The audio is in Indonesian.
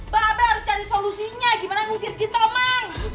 babe harus cari solusinya gimana nyusir jin tomang